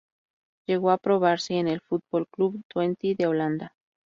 Llego aprobarse en el Football Club Twente de Holanda.